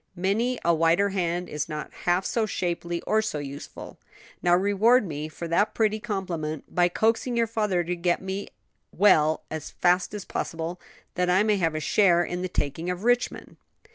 "Many a whiter hand is not half so shapely or so useful. Now reward me for that pretty compliment by coaxing your father to get me well as fast as possible, that I may have a share in the taking of Richmond."